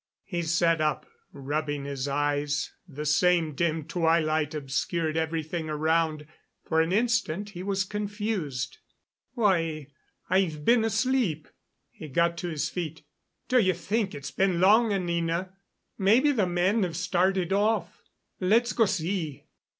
He sat up, rubbing his eyes. The same dim twilight obscured everything around. For an instant he was confused. "Why, I've been asleep." He got to his feet. "Do you think it's been long, Anina? Maybe the men have started off. Let's go see."